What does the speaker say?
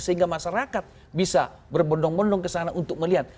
sehingga masyarakat bisa berbondong bondong kesana untuk melihat